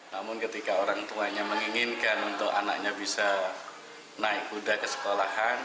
namun ketika orang tuanya menginginkan untuk anaknya bisa naik kuda ke sekolahan